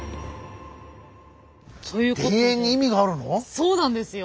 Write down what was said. そうなんですよ。